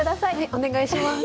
お願いします。